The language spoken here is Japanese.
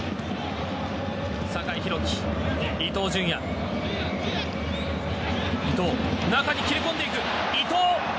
酒井宏樹、伊東純也中に切り込んでいく伊東。